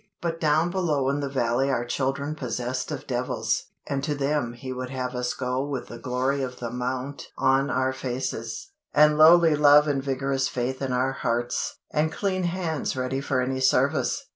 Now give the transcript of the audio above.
but down below in the valley are children possessed of devils, and to them He would have us go with the glory of the mount on our faces, and lowly love and vigorous faith in our hearts, and clean hands ready for any service.